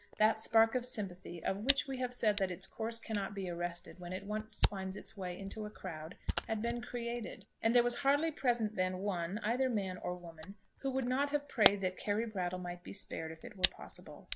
That spark of sympathy, of which we have said that its course cannot be arrested when it once finds its way into a crowd, had been created, and there was hardly present then one, either man or woman, who would not have prayed that Carry Brattle might be spared if it were possible.